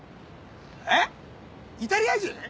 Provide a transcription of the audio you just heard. えっ⁉「イタリア人」？